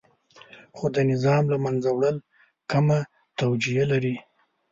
خو د نظام له منځه وړل کمه توجیه لري.